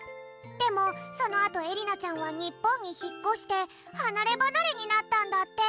でもそのあとえりなちゃんは日本にひっこしてはなればなれになったんだって。